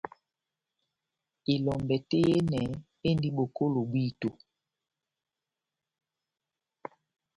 Elombɛ tɛ́h yehenɛ endi bokolo bwito.